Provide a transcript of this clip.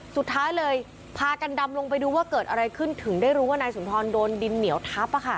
สุดท้ายเลยพากันดำลงไปดูว่าเกิดอะไรขึ้นถึงได้รู้ว่านายสุนทรโดนดินเหนียวทับ